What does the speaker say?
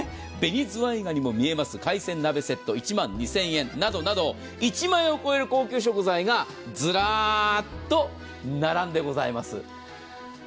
紅ずわいがにも見えます、海鮮鍋セット１万２０００円などなど１万円を超える高級食材がずらーっと並んでございます。